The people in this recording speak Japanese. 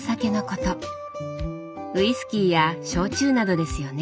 ウイスキーや焼酎などですよね。